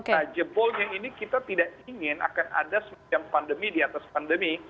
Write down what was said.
nah jebolnya ini kita tidak ingin akan ada semacam pandemi di atas pandemi